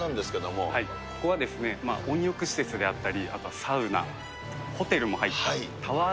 ここはですね、温浴施設があったり、あとサウナ、ホテルも入ったＴＯＷＥＲ